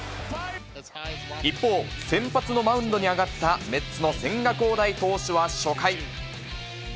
一方、先発のマウンドに上がったメッツの千賀滉大投手は初回。